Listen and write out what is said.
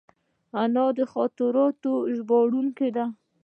انا د خاطرو ژباړونکې ده